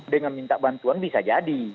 dengan minta bantuan bisa jadi